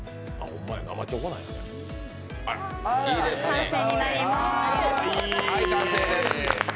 完成になりまーす。